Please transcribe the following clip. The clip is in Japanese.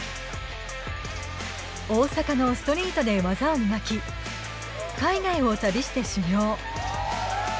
大阪のストリートで技を磨き海外を旅して修業。